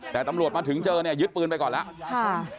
แต่ตำรวจมาถึงเจอเนี่ยยึดปืนไปก่อนแล้ว